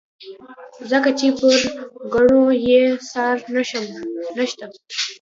ځکه چې پر کړنو یې څار نشته.